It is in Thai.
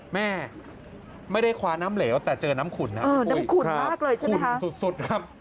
แม่ไม่ได้คว้าน้ำเหลวแต่เจอน้ำขุ่นขุ่นสุด